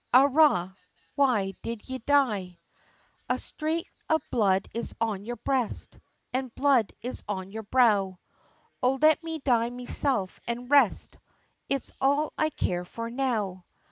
Arrah! why did ye die? A sthrake of blood is on your breast, An' blood is on your brow, O let me die meself, an' rest, It's all I care for now.